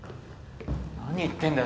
何言ってんだよ。